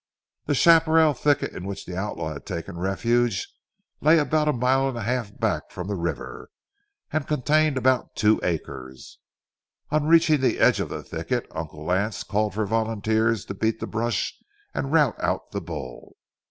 The chaparral thicket in which the outlaw had taken refuge lay about a mile and a half back from the river and contained about two acres. On reaching the edge of the thicket, Uncle Lance called for volunteers to beat the brush and rout out the bull.